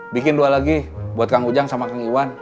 bikin dua lagi buat kang ujang sama kang iwan